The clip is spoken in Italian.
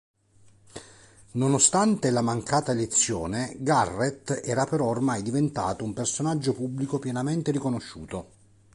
Nonostante la mancata elezione Garrett era però ormai diventato un personaggio pubblico pienamente riconosciuto.